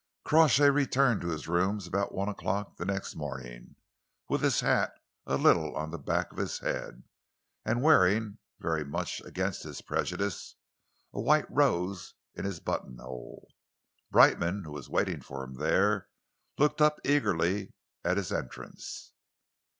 Crawshay returned to his rooms about one o'clock the next morning, with his hat a little on the back of his head, and wearing, very much against his prejudice, a white rose in his buttonhole. Brightman, who was awaiting him there, looked up eagerly at his entrance.